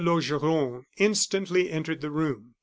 Laugeron instantly entered the room.